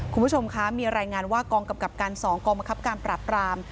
คุณผู้ชมคะมีรายงานว่ากองกำกับการ๒กองบังคับการปราบราม